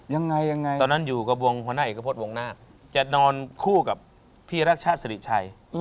ยังไงตอนนั้นอยู่กับวงหัวหน้าเอกพฎวงหน้าจะนอนคู่กับพี่รักชะสริชัย